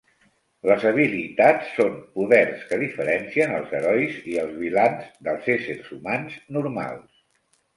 Les habilitats són poders que diferencien els herois i els vilans dels éssers humans normals.